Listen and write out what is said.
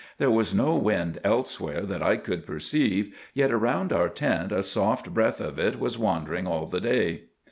There was no wind elsewhere that I could perceive, yet round our tent a soft breath of it was wandering all the day.